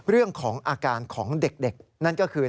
เรื่องของอาการของเด็กนั่นก็คือ